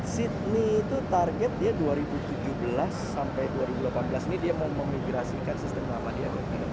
sydney itu target dia dua ribu tujuh belas sampai dua ribu delapan belas ini dia mau memigrasikan sistem lama dia